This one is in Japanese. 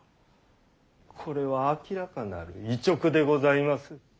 これは明らかなる違勅でございまする！